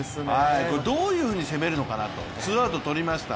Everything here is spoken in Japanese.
どういうふうに攻めるのかなと、ツーアウト取りました